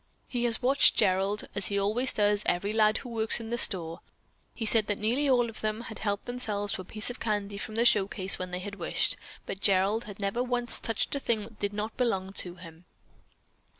He has watched Gerald, as he always does every lad who works in the store. He said that nearly all of them had helped themselves to a piece of candy from the showcase when they had wished, but that Gerald had never once touched a thing that did not belong to him.